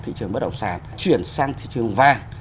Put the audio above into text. thị trường bất động sản chuyển sang thị trường vàng